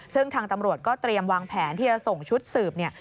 ซึ่งทางตำรวจก็เตรียมวางแผนที่จะส่งชุดสืบเนี่ย